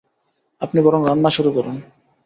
আপনি বরং রান্না শুরু করুন।